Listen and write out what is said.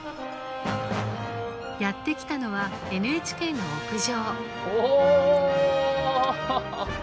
やって来たのはＮＨＫの屋上。